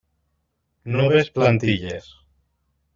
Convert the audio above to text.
Noves plantilles.